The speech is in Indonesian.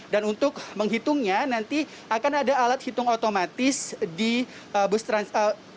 dan untuk menghitungnya nanti akan ada alat hitung otomatis di bus transpakuan